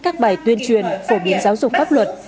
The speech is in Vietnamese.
các bài tuyên truyền phổ biến giáo dục pháp luật